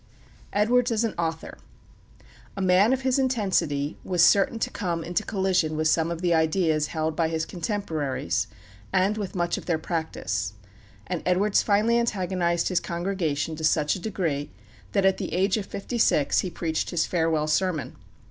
Philadelphia] EDWARDS AS AN AUTHOR A man of his intensity was certain to come into collision with some of the ideas held by his contemporaries and with much of their practice; and Edwards finally antagonized his congregation to such a degree that at the age of fifty six he preached his farewell sermon.